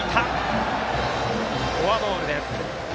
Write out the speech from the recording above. フォアボールです。